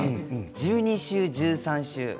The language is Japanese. １２週１３週